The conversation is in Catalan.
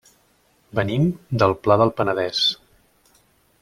Venim del Pla del Penedès.